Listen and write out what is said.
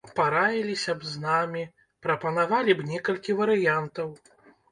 Параіліся б з намі, прапанавалі б некалькі варыянтаў.